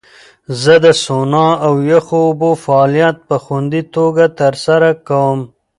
زه د سونا او یخو اوبو فعالیت په خوندي توګه ترسره کوم.